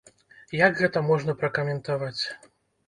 Як гэта можна пракаментаваць?